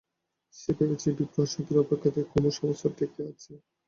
সে ভেবেছে বিপ্রদাসের অপেক্ষাতেই কুমুর সমস্ত ঠেকে আছে।